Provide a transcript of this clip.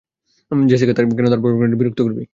Jessica, কেন তোর বয়ফ্রেন্ডকে বিরক্ত করবি।